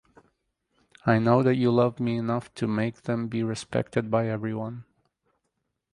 I know that you love me enough to make them be respected by everyone.